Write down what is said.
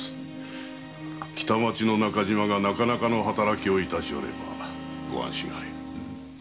北町の中島がなかなかの働きを致しおればご安心あれ。